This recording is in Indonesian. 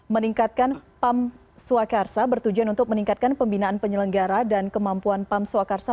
meningkatkan pam swakarsa bertujuan untuk meningkatkan pembinaan penyelenggara dan kemampuan pam swakarsa